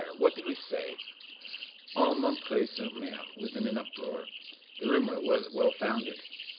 what did we say!" All M. sur M. was in an uproar. The rumor was well founded.